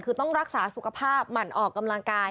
คือต้องรักษาสุขภาพหมั่นออกกำลังกาย